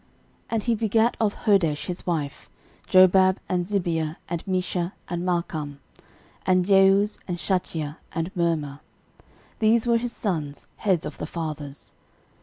13:008:009 And he begat of Hodesh his wife, Jobab, and Zibia, and Mesha, and Malcham, 13:008:010 And Jeuz, and Shachia, and Mirma. These were his sons, heads of the fathers.